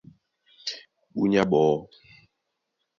Búnyá ɓɔɔ́,